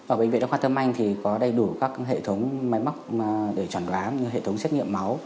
ở bệnh viện đông khoa thơm anh thì có đầy đủ các hệ thống máy móc để chẳng đoán như hệ thống xét nghiệm máu